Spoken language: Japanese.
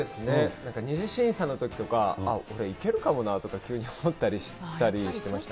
なんか２次審査のときとか、ああ、俺、いけるかもなとか、急に思ったりしたりしてました。